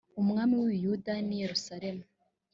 umwami w i buyuda n i yerusalemu